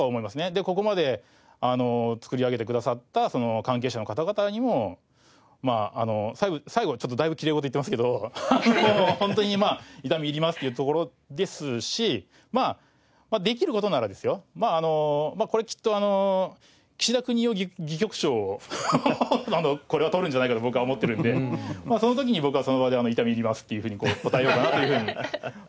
でここまで作り上げてくださった関係者の方々にも最後ちょっとだいぶきれい事言ってますけどホントにまあ痛み入りますっていうところですしまあできる事ならですよこれきっと岸田國士戯曲賞をこれは取るんじゃないかと僕は思ってるんでその時に僕はその場では痛み入りますっていうふうに答えようかなというふうに思っております。